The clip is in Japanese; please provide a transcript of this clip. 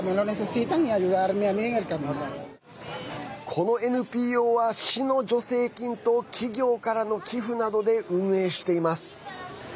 このＮＰＯは市の助成金と企業からの寄付などで運営しています。